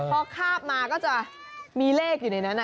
พอคาบมาก็จะมีเลขอยู่ในนั้น